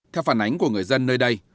theo phản ánh của người dân nơi đây